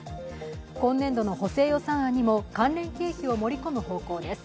今年度の補正予算案にも関連経費を盛り込む方向です。